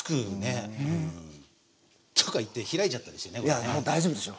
いやもう大丈夫でしょ。